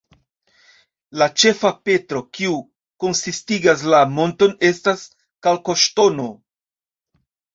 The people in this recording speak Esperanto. La ĉefa petro, kiu konsistigas la monton, estas kalkoŝtono.